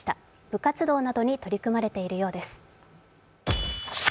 部活動などに取り組まれているようです。